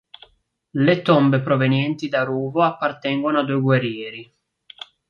Le tombe provenienti da Ruvo appartengono a due guerrieri.